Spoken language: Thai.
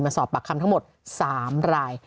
สอบปากคำทั้งหมด๓ราย